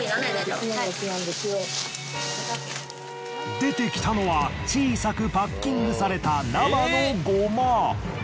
出てきたのは小さくパッキングされた生のゴマ。